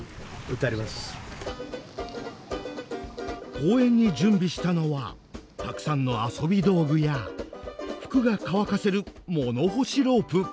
公園に準備したのはたくさんの遊び道具や服が乾かせる物干しロープ。